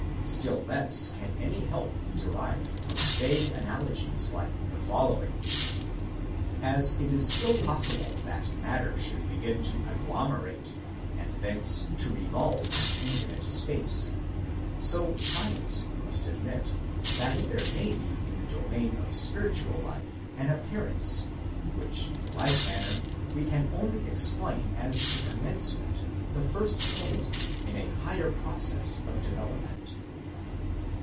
Still less can any help be derived from vague analogies like the following: as it is still possible that matter should begin to agglomerate and thence to revolve in infinite space ; so science must admit, that there may be in the domain of spiritual life an appearance, which in like manner we can only explain as the commencement, the first point, in a higher process of development.